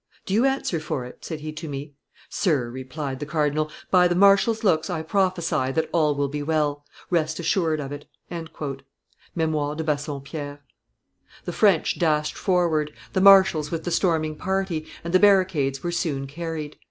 "Do you answer for it?" said he to me. 'Sir,' replied. the cardinal, 'by the marshal's looks I prophesy that all will be well; rest assured of it.'" [Memoires de Bassompiere.] The French dashed forward, the marshals with the storming party, and the barricades were soon carried.